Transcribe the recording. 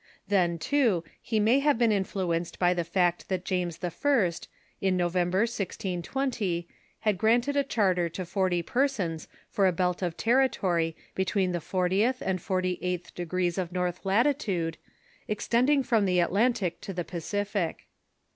Then, too, he may have been influenced by the fact that James I., in November, 1620, had granted a charter to forty persons for a belt of territory between the fortieth and forty eighth degrees of north latitude, extending from the Atlantic to the Pacific.